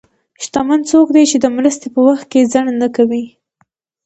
شتمن څوک دی چې د مرستې په وخت کې ځنډ نه کوي.